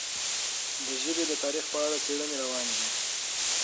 د ژبې د تاریخ په اړه څېړنې روانې دي.